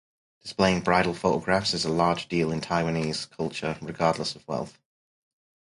Displaying bridal photographs is a large deal in Taiwanese culture, regardless of wealth.